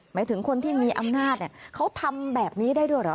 หมายถึงคนที่มีอำนาจเขาทำแบบนี้ได้ด้วยเหรอ